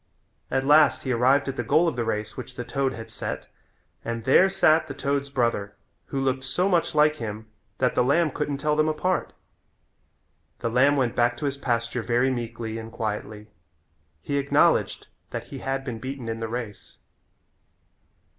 At last he arrived at the goal of the race which the toad had set and there sat the toad's brother who looked so much like him that the lamb couldn't tell them apart. The lamb went back to his pasture very meekly and quietly. He acknowledged that he had been beaten in the race.